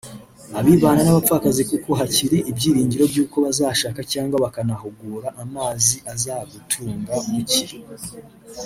abibana n’abapfakazi kuko hakiri ibyiringiro by’ uko bazashaka cyangwa bakanahugura (amazi azagutunga mu iki